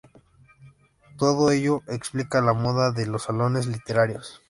Todo ello explica la moda de los salones literarios.